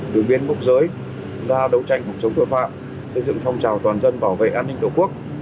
đường biên mốc giới ra đấu tranh phòng chống tội phạm xây dựng phong trào toàn dân bảo vệ an ninh tổ quốc